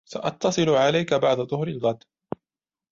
سأتصل عليك بعد ظهر الغد.